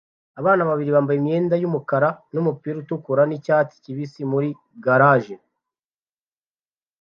Abana babiri bambaye imyenda yumukara kumupira utukura nicyatsi kibisi muri garage